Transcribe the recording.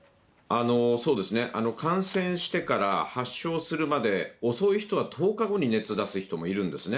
そうですね、感染してから発症するまで遅い人は１０日後に熱出す人もいるんですね。